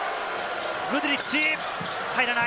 グドゥリッチ、入らない。